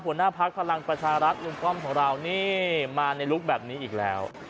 ผลหน้าพักษ์พลังประชารักษ์ลุงกล้อมพระราวนี่มาในลุคแบบนี้อีกแล้ว